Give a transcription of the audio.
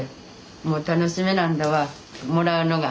もう楽しみなんだわもらうのが。